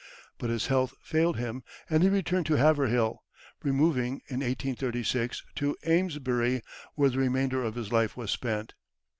But his health failed him, and he returned to Haverhill, removing, in 1836, to Amesbury, where the remainder of his life was spent.